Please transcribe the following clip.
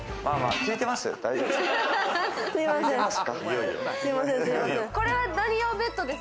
聞いてます。